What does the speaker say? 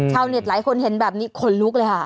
ชาวเน็ตหลายคนเห็นแบบนี้โข่นลุกเลยฮะ